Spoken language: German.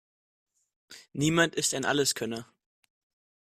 Niemand ist ein Alleskönner.